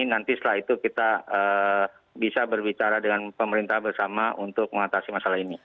nanti setelah itu kita bisa berbicara dengan pemerintah bersama untuk mengatasi masalah ini